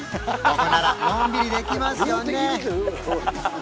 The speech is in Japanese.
ここならのんびりできますよね